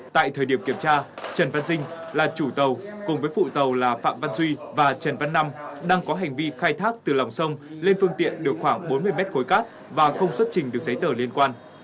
tại thời điểm kiểm tra trần văn dinh là chủ tàu cùng với phụ tàu là phạm văn duy và trần văn năm đang có hành vi khai thác từ lòng sông lên phương tiện được khoảng bốn mươi mét khối cát và không xuất trình được giấy tờ liên quan